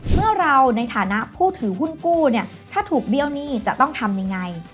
เมื่อเราในฐานะผู้ถือหุ้นกู้เนี่ยถ้าถูกเบี้ยวหนี้จะต้องทำยังไง